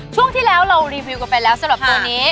ช่วงที่แล้วเรารีวิวไปแล้วสกตร์แล้วตัวนี้